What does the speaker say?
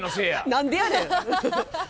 何でやねん！